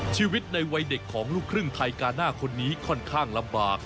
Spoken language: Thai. ชีวิตในวัยเด็กของลูกครึ่งไทยกาหน้าคนนี้ค่อนข้างลำบาก